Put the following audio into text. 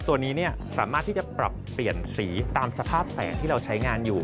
ตัวนี้สามารถที่จะปรับเปลี่ยนสีตามสภาพแสงที่เราใช้งานอยู่